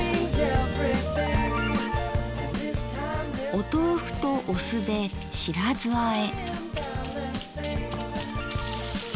お豆腐とお酢で「白酢あえ」。